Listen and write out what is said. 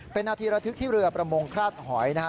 เป็นนาทีระทึกที่เรือประมงคราดหอยนะฮะ